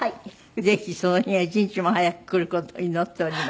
ぜひその日が一日も早く来る事を祈っております。